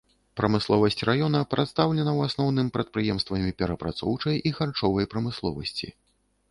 Прамысловасць раёна прадстаўлена, у асноўным, прадпрыемствамі перапрацоўчай і харчовай прамысловасці.